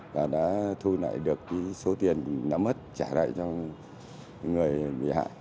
và đã thu lại được số tiền đã mất trả lại cho người bị hại